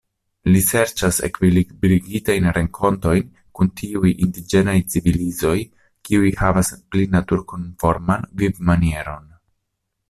Li serĉas ekvilibrigitajn renkontojn kun tiuj indiĝenaj civilizoj, kiuj havas pli naturkonforman vivmanieron.